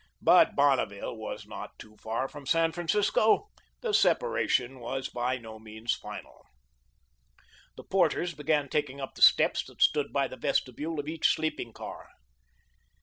But Bonneville was not too far from San Francisco; the separation was by no means final. The porters began taking up the steps that stood by the vestibule of each sleeping car.